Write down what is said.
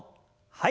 はい。